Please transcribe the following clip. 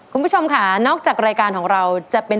คุณผู้ชมค่ะนอกจากรายการของเราจะเป็น